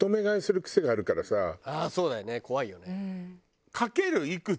そうだよね怖いよね。